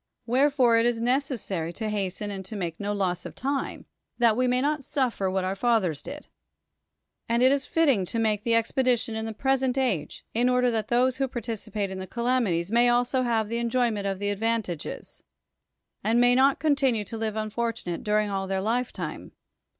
Wherefore it is necessary to hast(^]i and to ma]<c no loss of time, that we may not suffe r what <Mir fathers did. And it is fitting' to make the expedition in tln' 7) resent age, in order that those Avho participate in the calamities may also have the enjoyjnent 0I' the advantages, and may not continu(^ to live un fortunate during all tlieir lifetime.